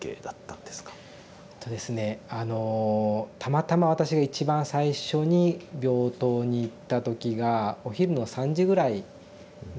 たまたま私が一番最初に病棟に行った時がお昼の３時ぐらいだったんですね。